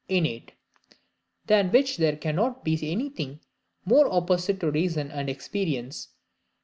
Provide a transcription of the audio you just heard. innate, than which there cannot be anything more opposite to reason and experience.